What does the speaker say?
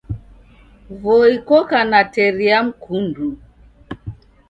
Voi koka na teri ya mkundu.